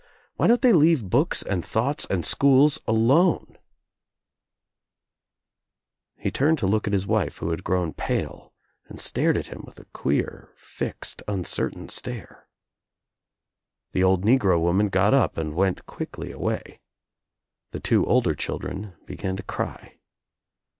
Why don't they leave books and thoughts and schools alone ?" He turned to look at his wife who had grown pale and stared at him with a queer fixed uncertain stare. The old negro woman got up and went quickly away. The two older children began to cry.